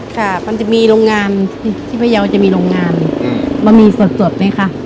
ค่ะมันจะมีโรงงานที่พยาวจะมีโรงงานบะหมี่สดสดเลยค่ะ